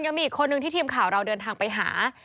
ยังมีอีกคนนึงที่ทีมข่าวเราเดินทางไปหา